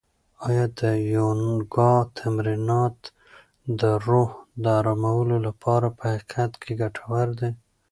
آیا د یوګا تمرینات د روح د ارامولو لپاره په حقیقت کې ګټور دي؟